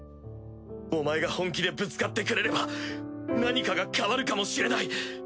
お前が本気でぶつかってくれれば何かが変わるかもしれない！